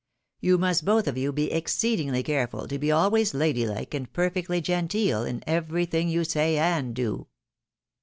You must both of you be exceedingly careful to be always lady hke and perfectly genteel in everything you say and do."